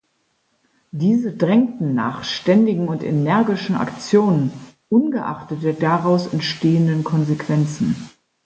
Diese drängten nach ständigen und energischen Aktionen ungeachtet der daraus entstehenden Konsequenzen.